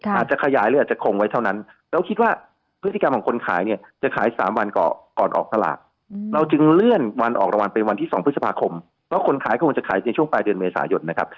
อาจจะขยายหรืออาจจะคงไว้เท่านั้นเราคิดว่าพฤติกรรมของคนขายเนี่ยจะขาย๓วันก่อนก่อนออกตลาดเราจึงเลื่อนวันออกรางวัลเป็นวันที่๒พฤษภาคมเพราะคนขายคงจะขายในช่วงปลายเดือนเมษายนนะครับ